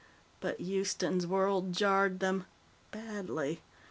"But Houston's World jarred them badly.